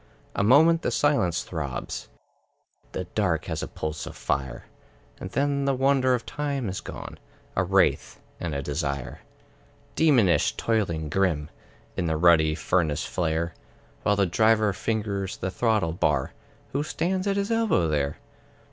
A moment the silence throbs, The dark has a pulse of fire; And then the wonder of time is gone, A wraith and a desire. Demonish, toiling, grim, In the ruddy furnace flare, While the Driver fingers the throttle bar, Who stands at his elbow there?